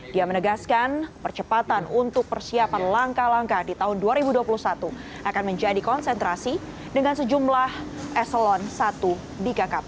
dia menegaskan percepatan untuk persiapan langkah langkah di tahun dua ribu dua puluh satu akan menjadi konsentrasi dengan sejumlah eselon i di kkp